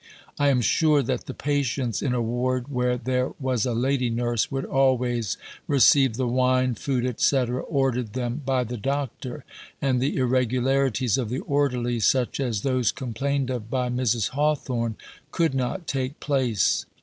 I am sure that the patients in a ward where there was a lady nurse would always receive the wine, food, etc., ordered them by the doctor, and the irregularities of the orderlies, such as those complained of by Mrs. Hawthorn, could not take place.